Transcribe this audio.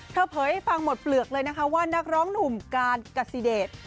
เผยให้ฟังหมดเปลือกเลยนะคะว่านักร้องหนุ่มการกัสซิเดช